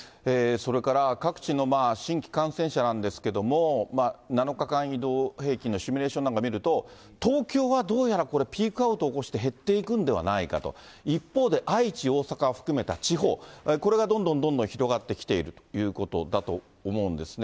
それから各地の新規感染者なんですけれども、７日間移動平均のシミュレーションなんか見ると、東京はどうやらこれ、ピークアウトを起こして、減っていくんではないかと、一方で愛知、大阪を含めた地方、これがどんどんどん広がってきているということだと思うんですね。